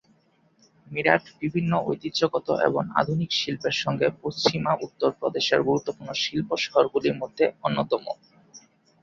মিরাট বিভিন্ন ঐতিহ্যগত এবং আধুনিক শিল্পের সঙ্গে পশ্চিমা উত্তর প্রদেশের গুরুত্বপূর্ণ শিল্প শহরগুলির মধ্যে অন্যতম।